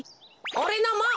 おれのも！